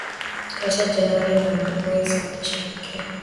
Kati ya Januari na mwezi Machi pekee